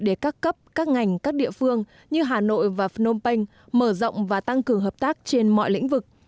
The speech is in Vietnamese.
để các cấp các ngành các địa phương như hà nội và phnom penh mở rộng và tăng cường hợp tác trên mọi lĩnh vực